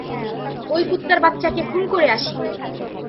ঐ কুত্তার বাচ্চাকে খুন করে আসি।